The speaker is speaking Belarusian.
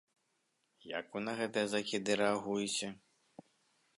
Як вы на гэтыя закіды рэагуеце?